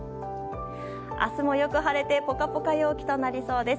明日もよく晴れてポカポカ陽気となりそうです。